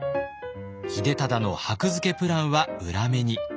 秀忠の箔付けプランは裏目に。